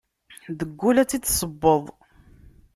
Deg ul ad tt-id ssewweḍ.